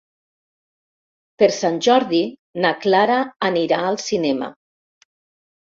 Per Sant Jordi na Clara anirà al cinema.